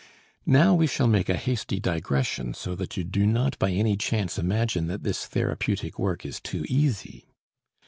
Now we shall make a hasty digression so that you do not by any chance imagine that this therapeutic work is too easy.